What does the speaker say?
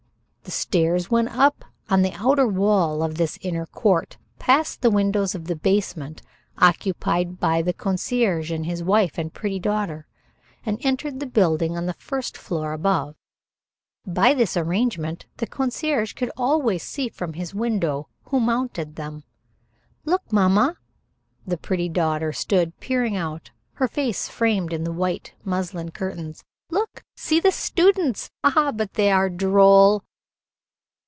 The stairs went up on the outer wall of this inner court, past the windows of the basement occupied by the concierge and his wife and pretty daughter, and entered the building on the first floor above. By this arrangement the concierge could always see from his window who mounted them. "Look, mamma." The pretty daughter stood peering out, her face framed in the white muslin curtains. "Look. See the students. Ah, but they are droll!"